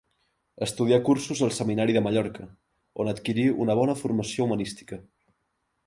Estudià cursos al Seminari de Mallorca, on adquirí una bona formació humanística.